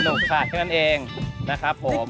สนุกค่ะแค่นั้นเองนะครับผม